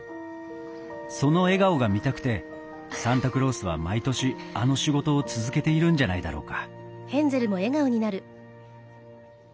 その笑顔が見たくてサンタクロースは毎年あの仕事を続けているんじゃないだろうか